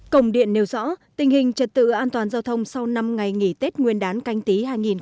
công điện nêu rõ tình hình trật tự an toàn giao thông sau năm ngày nghỉ tết nguyên đán canh tí hai nghìn hai mươi